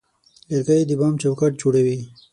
لرګی د بام چوکاټ جوړوي.